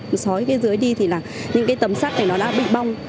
nó sói cái dưới đi thì là những cái tấm sắt này nó đã bị bong